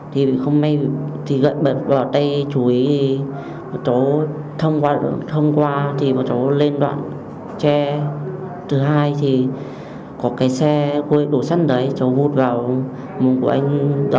thì gậy bật vào tay chú ý cháu thông qua